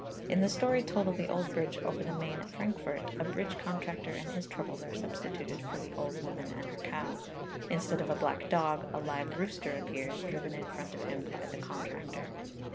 In the story told of the old bridge over the Main at Frankfort, a bridge contractor and his troubles are substituted for the old woman and her cow; instead of a black dog a live rooster appears, driven in front of him by the contractor.